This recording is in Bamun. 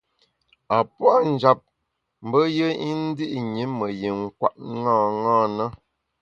A puâ’ njap mbe yùe i ndi’ ṅi me yin kwet ṅaṅâ na.